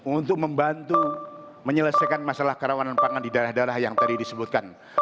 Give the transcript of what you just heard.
untuk membantu menyelesaikan masalah kerawanan pangan di daerah daerah yang tadi disebutkan